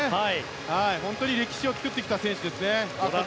本当に歴史を作ってきた選手ですね。